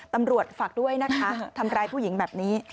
ฝากด้วยนะคะทำร้ายผู้หญิงแบบนี้